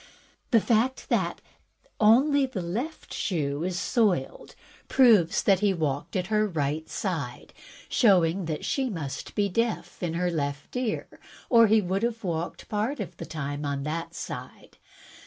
The fact that only the left shoe is so soiled proves that he walked only at her right side, showing that she must be deaf in her left ear, or he would have walked part of the time on that side.